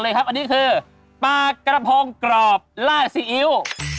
เลยครับอันนี้คือปลากระโพงกรอบล่าซีอิ้ว